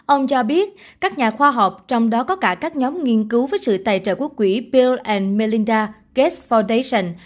ông cho biết các nhà khoa học trong đó có cả các nhóm nghiên cứu với sự tài trợ quốc quỹ bill melinda gates foundation